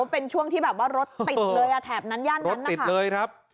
เป็นช่วงที่รถติดเลยแถบนั้นย่านนั้น